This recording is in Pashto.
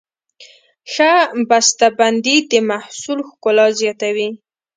ښه بسته بندي د محصول ښکلا زیاتوي.